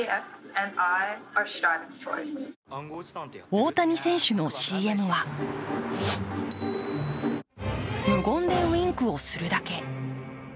大谷選手のＣＭは無言でウインクをするだけ。